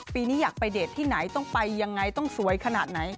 ปีนี้อยากไปเดทที่ไหนต้องไปยังไงต้องสวยขนาดไหน